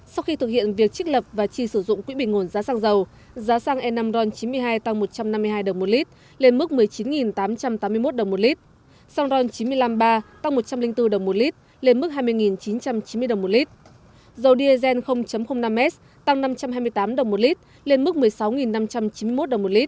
sau khi thực hiện việc chức lập và chi sử dụng quỹ bình nguồn giá xăng dầu giá xăng e năm ron chín mươi hai tăng một trăm năm mươi hai đồng một lit lên mức một mươi chín tám trăm tám mươi một đồng một lit xăng ron chín mươi năm ba tăng một trăm linh bốn đồng một lit lên mức hai mươi chín trăm chín mươi đồng một lit dầu diesel năm s tăng năm trăm hai mươi tám đồng một lit lên mức một mươi sáu năm trăm chín mươi một đồng một lit dầu hỏa tăng năm trăm sáu mươi chín đồng một lit lên mức một mươi năm năm trăm tám mươi năm đồng một lit